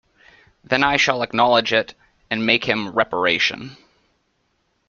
Then I shall acknowledge it and make him reparation.